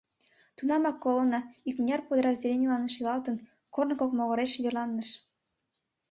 Тунамак колонна, икмыняр подразделенийлан шелалтын, корно кок могыреш верланыш.